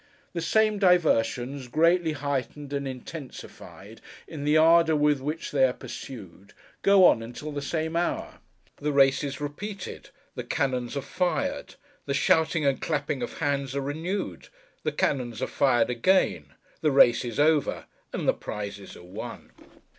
The same diversions, greatly heightened and intensified in the ardour with which they are pursued, go on until the same hour. The race is repeated; the cannon are fired; the shouting and clapping of hands are renewed; the cannon are fired again; the race is over; and the prizes are won.